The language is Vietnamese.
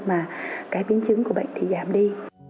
mà cái biến chứng của bệnh thì giảm đi